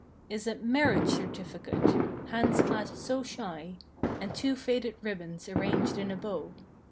Is a "Marriage Certificate"—hands clasped so shy. And two faded ribbons arranged in a bow.